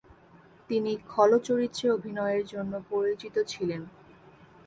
তিনি খলচরিত্রে অভিনয়ের জন্য পরিচিত ছিলেন।